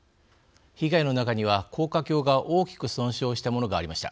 被害の中には高架橋が大きく損傷したものがありました。